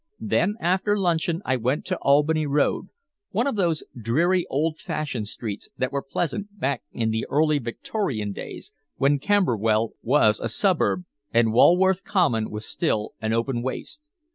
Then, after luncheon, I went to Albany Road, one of those dreary, old fashioned streets that were pleasant back in the early Victorian days when Camberwell was a suburb and Walworth Common was still an open waste.